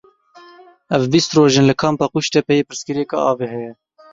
Ev bîst roj in li kampa Qûştepeyê pirsgirêka avê heye.